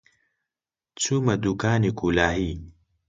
چوومە دووکانی کولاهی